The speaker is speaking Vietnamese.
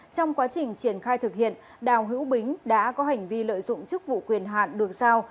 trong quá trình triển khai thực hiện đào hữu bính đã có hành vi lợi dụng chức vụ quyền hạn được sao